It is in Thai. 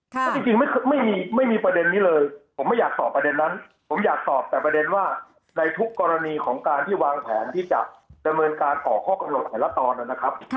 เพราะจริงไม่มีประเด็นนี้เลยผมไม่อยากตอบประเด็นนั้นผมอยากตอบแต่ประเด็นว่าในทุกกรณีของการที่วางแผนที่จะดำเนินการต่อข้อกำหนดแต่ละตอนนะครับ